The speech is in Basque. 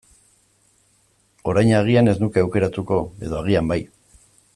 Orain agian ez nuke aukeratuko, edo agian bai.